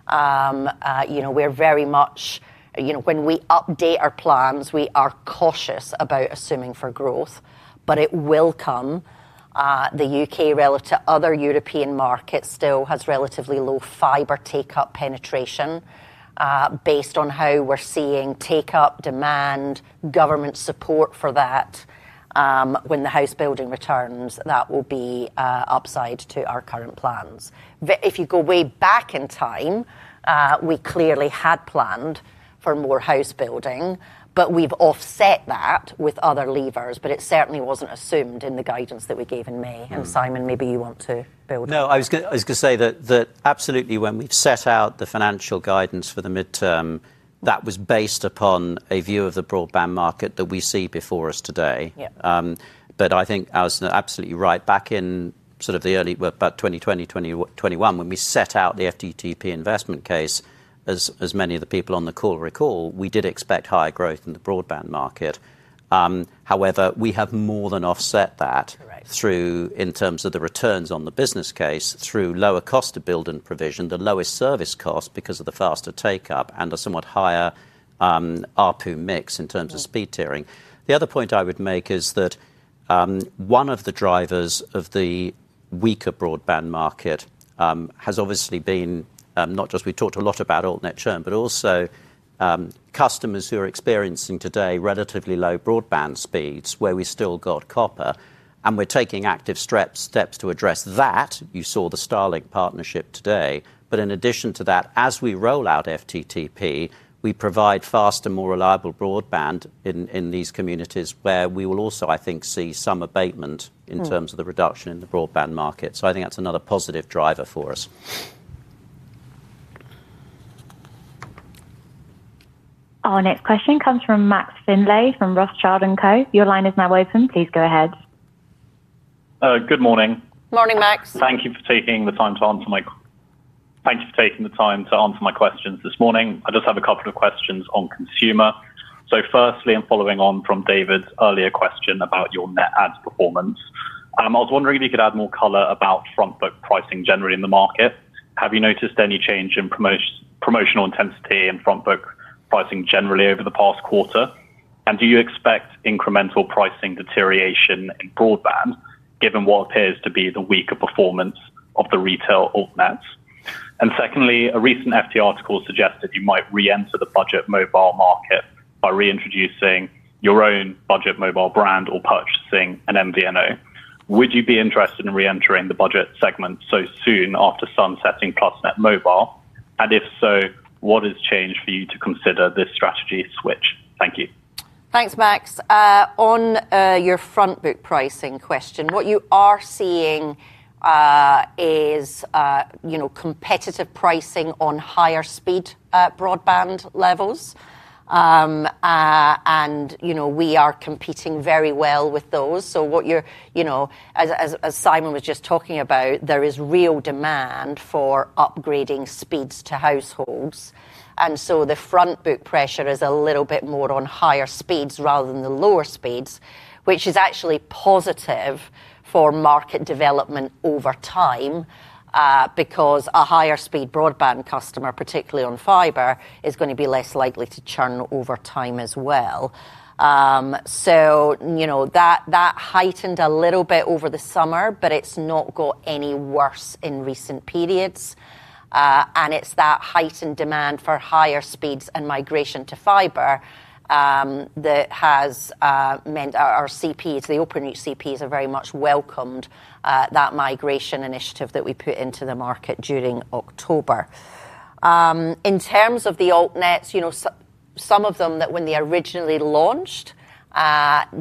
We are very much, when we update our plans, we are cautious about assuming for growth, but it will come. The U.K., relative to other European markets, still has relatively low fiber take-up penetration. Based on how we are seeing take-up demand, government support for that. When the house building returns, that will be upside to our current plans. If you go way back in time, we clearly had planned for more house building, but we have offset that with other levers. It certainly was not assumed in the guidance that we gave in May. Simon, maybe you want to build on that. No, I was going to say that absolutely when we've set out the financial guidance for the midterm, that was based upon a view of the broadband market that we see before us today. I think Alison is absolutely right. Back in sort of the early, about 2020, 2021, when we set out the FTTP investment case, as many of the people on the call recall, we did expect higher growth in the broadband market. However, we have more than offset that, in terms of the returns on the business case, through lower cost of build and provision, the lower service cost because of the faster take-up, and a somewhat higher ARPU mix in terms of speed tiering. The other point I would make is that one of the drivers of the weaker broadband market has obviously been not just, we talked a lot about AltNET churn, but also. Customers who are experiencing today relatively low broadband speeds where we still got copper. We are taking active steps to address that. You saw the Starlink partnership today. In addition to that, as we roll out FTTP, we provide faster, more reliable broadband in these communities where we will also, I think, see some abatement in terms of the reduction in the broadband market. I think that is another positive driver for us. Our next question comes from Max Findlay from Rothschild & Co. Your line is now open. Please go ahead. Good morning. Morning, Max. Thank you for taking the time to answer my questions this morning. I just have a couple of questions on consumer. Firstly, I am following on from David's earlier question about your net ads performance. I was wondering if you could add more color about frontbook pricing generally in the market. Have you noticed any change in promotional intensity and frontbook pricing generally over the past quarter? Do you expect incremental pricing deterioration in broadband given what appears to be the weaker performance of the retail AltNETs? Secondly, a recent FT article suggested you might re-enter the budget mobile market by reintroducing your own budget mobile brand or purchasing an MVNO. Would you be interested in re-entering the budget segment so soon after sunsetting PlusNet Mobile? If so, what has changed for you to consider this strategy switch? Thank you. Thanks, Max. On your frontbook pricing question, what you are seeing is competitive pricing on higher speed broadband levels. We are competing very well with those. As Simon was just talking about, there is real demand for upgrading speeds to households. The frontbook pressure is a little bit more on higher speeds rather than the lower speeds, which is actually positive for market development over time. A higher speed broadband customer, particularly on fiber, is going to be less likely to churn over time as well. That heightened a little bit over the summer, but it has not got any worse in recent periods. It is that heightened demand for higher speeds and migration to fiber that has meant our CPs, the Openreach CPs, have very much welcomed that migration initiative that we put into the market during October. In terms of the AltNETs, some of them, when they originally launched,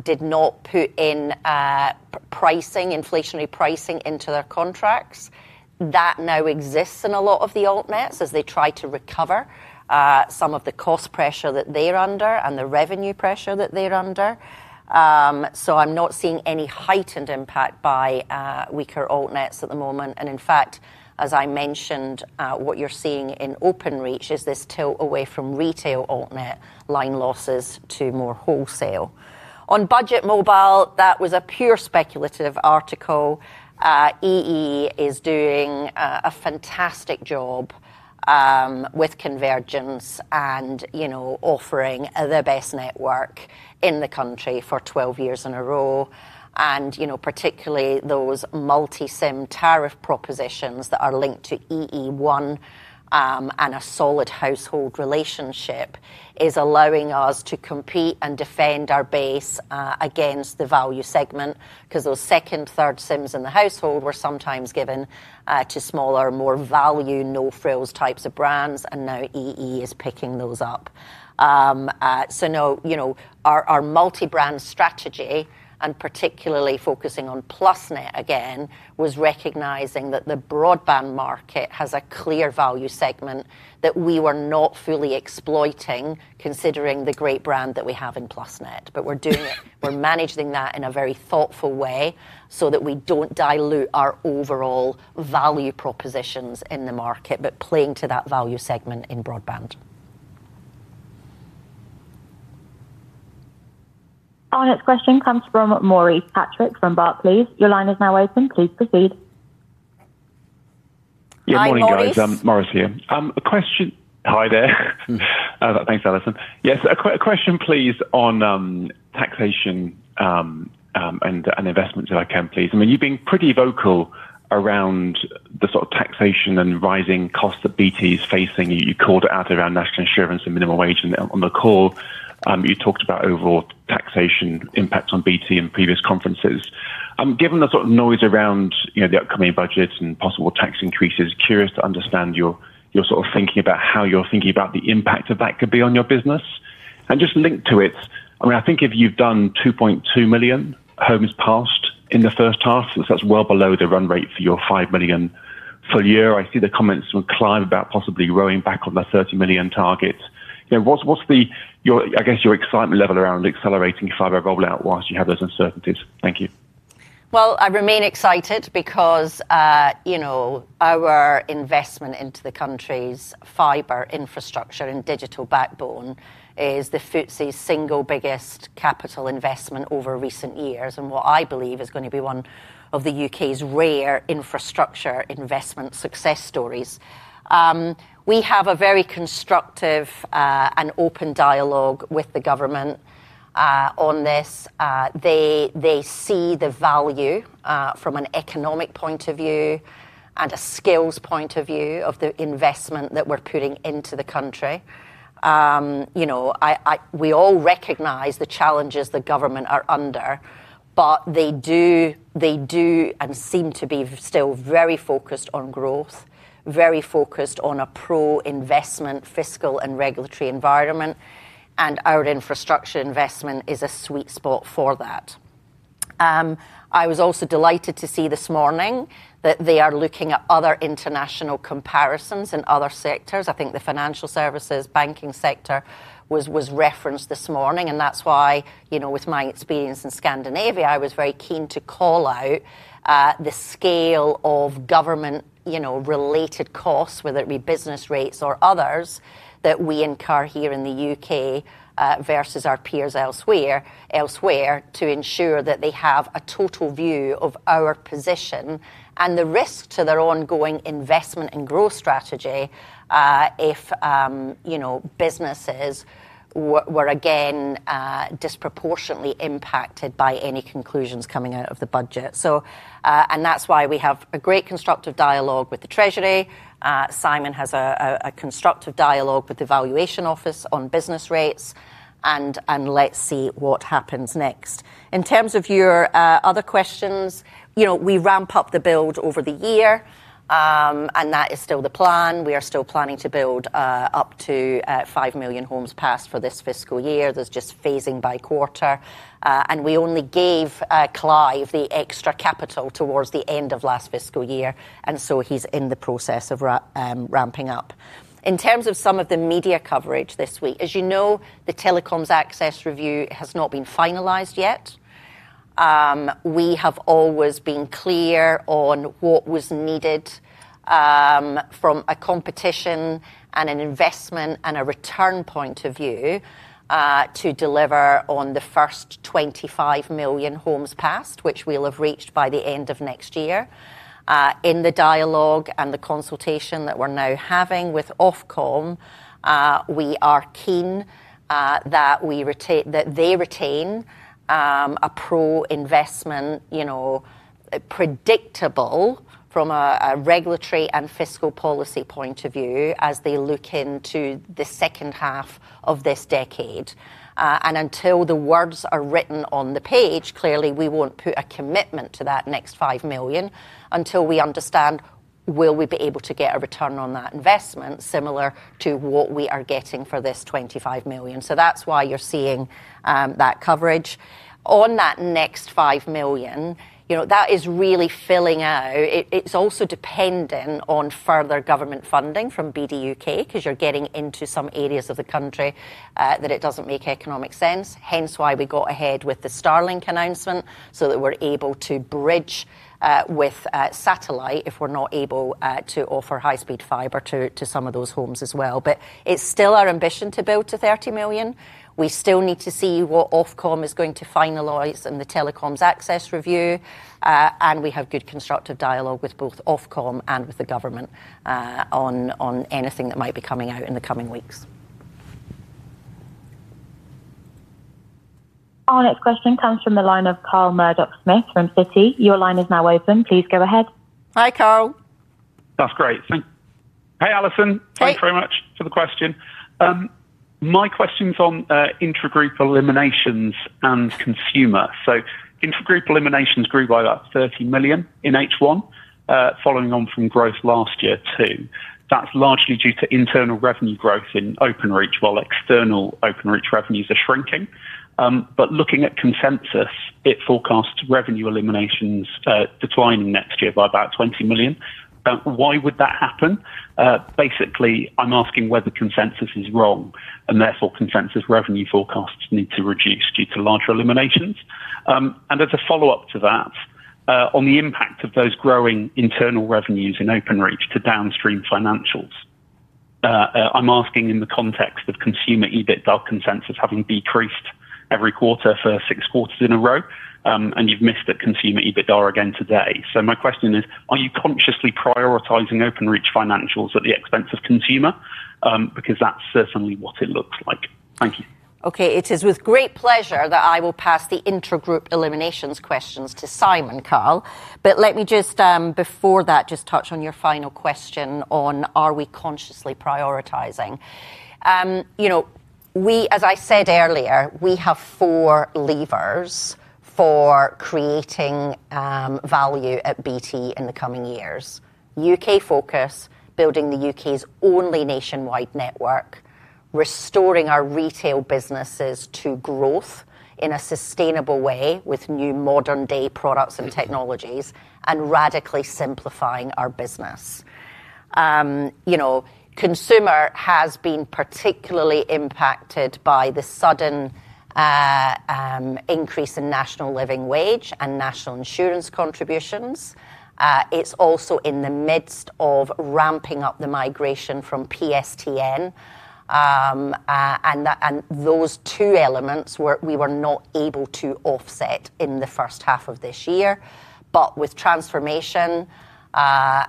did not put in inflationary pricing into their contracts. That now exists in a lot of the AltNETs as they try to recover. Some of the cost pressure that they're under and the revenue pressure that they're under. I'm not seeing any heightened impact by weaker AltNETs at the moment. In fact, as I mentioned, what you're seeing in Openreach is this tilt away from retail AltNET line losses to more wholesale. On Budget Mobile, that was a pure speculative article. EE is doing a fantastic job with Convergence and offering the best network in the country for 12 years in a row. Particularly those multi-SIM tariff propositions that are linked to EE1. A solid household relationship is allowing us to compete and defend our base against the value segment because those second, third SIMs in the household were sometimes given to smaller, more value, no-frills types of brands, EE is picking those up. No, our multi-brand strategy, and particularly focusing on PlusNet again, was recognizing that the broadband market has a clear value segment that we were not fully exploiting considering the great brand that we have in PlusNet. We are doing it. We are managing that in a very thoughtful way so that we do not dilute our overall value propositions in the market, but playing to that value segment in broadband. Our next question comes from Maurice Patrick from Barclays. Your line is now open. Please proceed. Good morning, guys. [CROSSTALK] Maurice here. A question. Hi there. Thanks, Alison. Yes, a question, please, on taxation and investments if I can, please. I mean, you have been pretty vocal around the sort of taxation and rising costs that BT is facing. You called out around national insurance and minimum wage. You talked about overall taxation impact on BT in previous conferences. Given the sort of noise around the upcoming budget and possible tax increases, curious to understand your sort of thinking about how you're thinking about the impact of that could be on your business. Just linked to it, I mean, I think if you've done 2.2 million homes past in the first half, that's well below the run rate for your 5 million full year. I see the comments from Clive about possibly rowing back on the 30 million target. What's the, I guess, your excitement level around accelerating fiber rollout whilst you have those uncertainties? Thank you. I remain excited because our investment into the country's fiber infrastructure and digital backbone is the FTSE's single biggest capital investment over recent years. What I believe is going to be one of the U.K.'s rare infrastructure investment success stories. We have a very constructive and open dialogue with the government on this. They see the value from an economic point of view and a skills point of view of the investment that we're putting into the country. We all recognize the challenges the government are under, but they do seem to be still very focused on growth, very focused on a pro-investment fiscal and regulatory environment. Our infrastructure investment is a sweet spot for that. I was also delighted to see this morning that they are looking at other international comparisons in other sectors. I think the financial services, banking sector was referenced this morning. That is why, with my experience in Scandinavia, I was very keen to call out. The scale of government-related costs, whether it be business rates or others, that we incur here in the U.K. versus our peers elsewhere to ensure that they have a total view of our position and the risk to their ongoing investment and growth strategy. If businesses were again disproportionately impacted by any conclusions coming out of the budget. That is why we have a great constructive dialogue with the Treasury. Simon has a constructive dialogue with the Valuation Office on business rates. Let's see what happens next. In terms of your other questions, we ramp up the build over the year. That is still the plan. We are still planning to build up to 5 million homes passed for this fiscal year. There is just phasing by quarter. We only gave Clive the extra capital towards the end of last fiscal year. He is in the process of ramping up. In terms of some of the media coverage this week, as you know, the telecoms access review has not been finalized yet. We have always been clear on what was needed. From a competition and an investment and a return point of view to deliver on the first 25 million homes passed, which we will have reached by the end of next year. In the dialogue and the consultation that we are now having with Ofcom, we are keen that they retain a pro-investment, predictable approach from a regulatory and fiscal policy point of view as they look into the second half of this decade. Until the words are written on the page, clearly, we will not put a commitment to that next 5 million until we understand, will we be able to get a return on that investment similar to what we are getting for this 25 million? That is why you are seeing that coverage. On that next 5 million, that is really filling out. It is also dependent on further government funding from BDUK because you are getting into some areas of the country that it does not make economic sense. Hence why we got ahead with the Starlink announcement so that we are able to bridge with satellite if we are not able to offer high-speed fiber to some of those homes as well. It is still our ambition to build to 30 million. We still need to see what Ofcom is going to finalize in the telecoms access review. We have good constructive dialogue with both Ofcom and with the government on anything that might be coming out in the coming weeks. Our next question comes from the line of Carl Murdock-Smith from Citi. Your line is now open. Please go ahead. Hi, Carl. That's great. Hey, Alison. Thank you very much for the question. My question's on intergroup eliminations and consumer. Intergroup eliminations grew by about 30 million in H1, following on from growth last year too. That's largely due to internal revenue growth in Openreach while external Openreach revenues are shrinking. Looking at consensus, it forecasts revenue eliminations declining next year by about 20 million. Why would that happen? Basically, I'm asking whether consensus is wrong and therefore consensus revenue forecasts need to reduce due to larger eliminations. As a follow-up to that. On the impact of those growing internal revenues in Openreach to downstream financials. I'm asking in the context of consumer EBITDA consensus having decreased every quarter for six quarters in a row, and you've missed at consumer EBITDA again today. My question is, are you consciously prioritizing Openreach financials at the expense of consumer? That's certainly what it looks like. Thank you. It is with great pleasure that I will pass the intergroup eliminations questions to Simon, Carl. Let me just, before that, just touch on your final question on, are we consciously prioritizing? As I said earlier, we have four levers for creating value at BT in the coming years: U.K. focus, building the U.K.'s only nationwide network, restoring our retail businesses to growth in a sustainable way with new modern-day products and technologies, and radically simplifying our business. Consumer has been particularly impacted by the sudden increase in national living wage and national insurance contributions. It is also in the midst of ramping up the migration from PSTN. Those two elements we were not able to offset in the first half of this year. With transformation,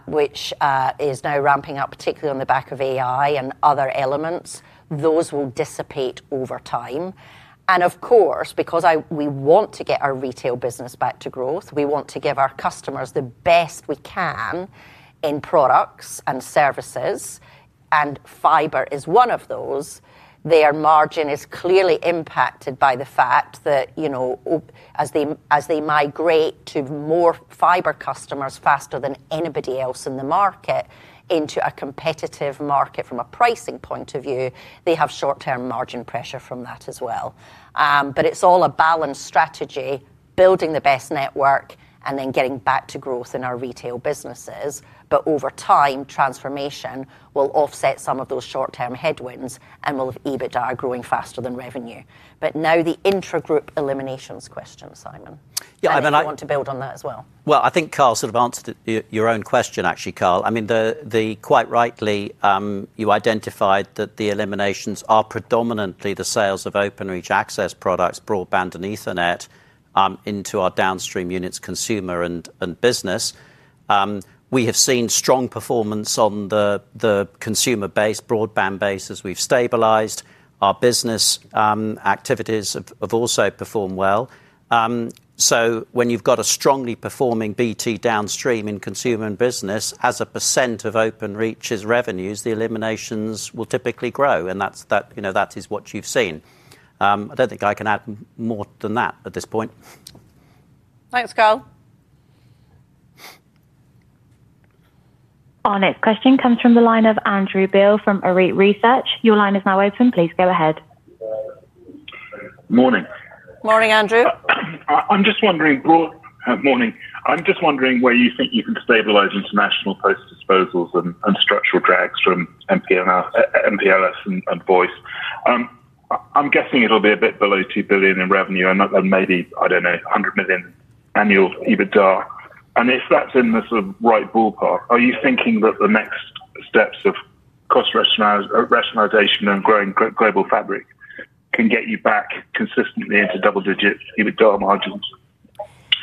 which is now ramping up, particularly on the back of AI and other elements, those will dissipate over time. Of course, because we want to get our retail business back to growth, we want to give our customers the best we can in products and services. Fiber is one of those. Their margin is clearly impacted by the fact that as they migrate to more fiber customers faster than anybody else in the market into a competitive market from a pricing point of view, they have short-term margin pressure from that as well. It is all a balanced strategy, building the best network, and then getting back to growth in our retail businesses. Over time, transformation will offset some of those short-term headwinds and will have EBITDA growing faster than revenue. Now, the intergroup eliminations question, Simon. I want to build on that as well. I think Carl sort of answered your own question, actually, Carl. Quite rightly, you identified that the eliminations are predominantly the sales of Openreach access products, broadband and Ethernet, into our downstream units, consumer and business. We have seen strong performance on the consumer base, broadband base as we have stabilized. Our business activities have also performed well. When you have a strongly performing BT downstream in consumer and business, as a percent of Openreach's revenues, the eliminations will typically grow. That is what you have seen. I do not think I can add more than that at this point. Thanks, Carl. Our next question comes from the line of Andrew Bill from ARIT Research. Your line is now open. Please go ahead. Morning. Morning, Andrew. I am just wondering. Morning. I am just wondering where you think you can stabilize international post-disposals and structural drags from MPLS and voice. I am guessing it will be a bit below 2 billion in revenue and maybe, I do not know, 100 million annual EBITDA. If that is in the sort of right ballpark, are you thinking that the next steps of cost rationalization and growing Global Fabric can get you back consistently into double-digit EBITDA margins?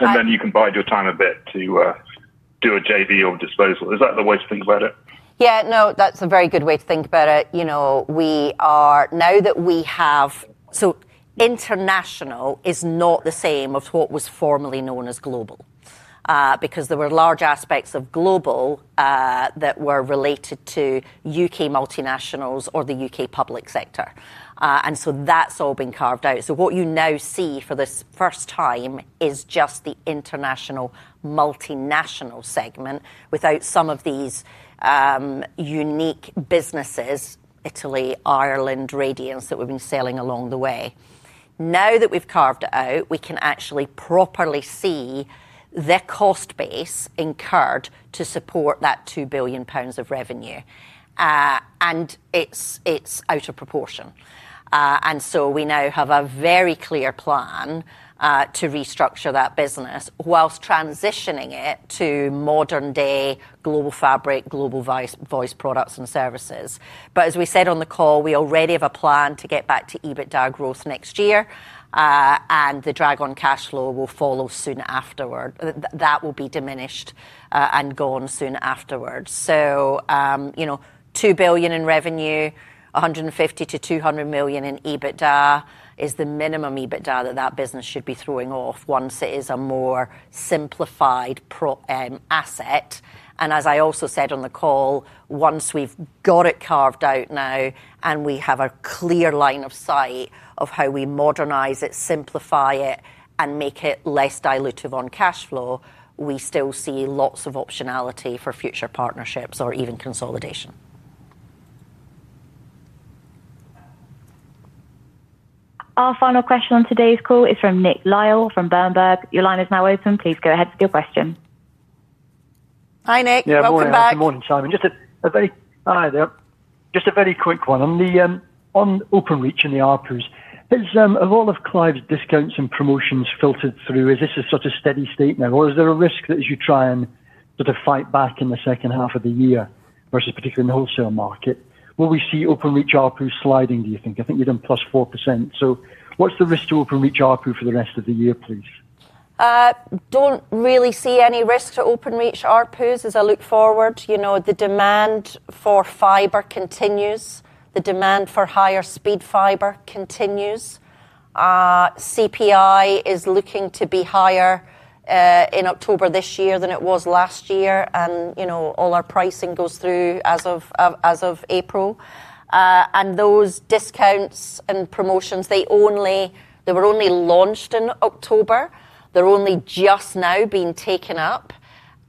Then you can bide your time a bit to do a JV or disposal. Is that the way to think about it? Yeah. No, that is a very good way to think about it. Now that we have. International is not the same as what was formerly known as global. Because there were large aspects of global that were related to U.K. multinationals or the U.K. public sector. That has all been carved out. What you now see for the first time is just the international multinational segment without some of these unique businesses, Italy, Ireland, Radiance that we have been selling along the way. Now that we have carved out, we can actually properly see the cost base incurred to support that 2 billion pounds of revenue. It is out of proportion. We now have a very clear plan to restructure that business whilst transitioning it to modern-day Global Fabric, Global Voice products and services. As we said on the call, we already have a plan to get back to EBITDA growth next year. The drag on cash flow will follow soon afterward. That will be diminished. Gone soon afterward. 2 billion in revenue, 150 million-200 million in EBITDA is the minimum EBITDA that that business should be throwing off once it is a more simplified asset. As I also said on the call, once we have it carved out now and we have a clear line of sight of how we modernize it, simplify it, and make it less dilutive on cash flow, we still see lots of optionality for future partnerships or even consolidation. Our final question on today's call is from Nick Lyle from Berenberg. Your line is now open. Please go ahead with your question. Hi, Nick. Welcome back. Good morning, Simon. Just a very quick one. On Openreach and the ARPUs, have all of Clive's discounts and promotions filtered through? Is this a sort of steady state now? Is there a risk that as you try and sort of fight back in the second half of the year versus particularly in the wholesale market, will we see Openreach ARPUs sliding, do you think? I think you've done +4%. What's the risk to Openreach ARPU for the rest of the year, please? Don't really see any risk to Openreach ARPUs as I look forward. The demand for fiber continues. The demand for higher speed fiber continues. CPI is looking to be higher in October this year than it was last year. All our pricing goes through as of April. Those discounts and promotions, they were only launched in October. They're only just now being taken up.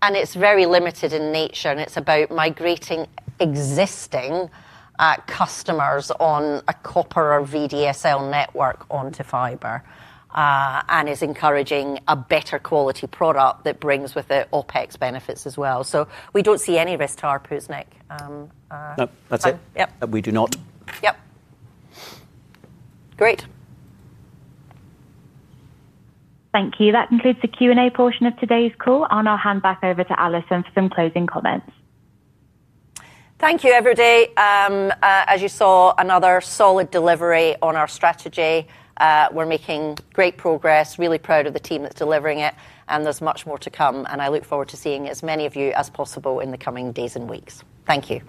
It's very limited in nature. It's about migrating existing customers on a copper or VDSL network onto fiber. It is encouraging a better quality product that brings with it OpEx benefits as well. We do not see any risk to ARPUs, Nick. No, that is it. We do not. Yep. Great. Thank you. That concludes the Q&A portion of today's call. I will now hand back over to Allison for some closing comments. Thank you, everybody. As you saw, another solid delivery on our strategy. We are making great progress. Really proud of the team that is delivering it. There is much more to come. I look forward to seeing as many of you as possible in the coming days and weeks. Thank you.